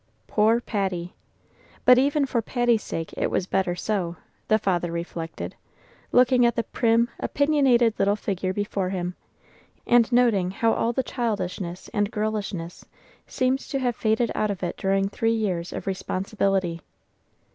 Poor Patty! But even for Patty's sake it was better so, the father reflected, looking at the prim, opinionated little figure before him, and noting how all the childishness and girlishness seemed to have faded out of it during three years of responsibility.